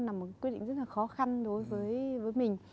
là một quyết định rất là khó khăn đối với mình